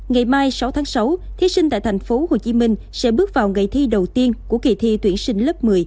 ngày mai sáu tháng sáu thiết sinh tại tp hcm sẽ bước vào ngày thi đầu tiên của kỳ thi tuyển sinh lớp một mươi với hai môn là ngữ văn và ngoại ngữ